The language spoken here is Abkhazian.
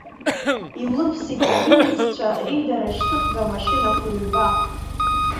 Илывсит анемеццәа реидарашьҭыхга машьынақәа ҩба.